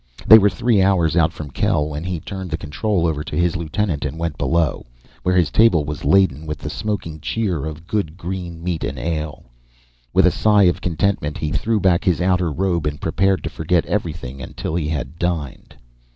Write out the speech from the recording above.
They were three hours out from Kel when he turned the control over to his lieutenant and went below, where his table was laden with the smoking cheer of good green meat and ale. With a sigh of contentment, he threw back his outer robe and prepared to forget everything until he had dined.